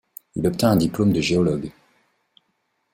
Il y obtint un diplôme de géologue.